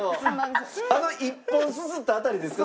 あの１本すすった辺りですか？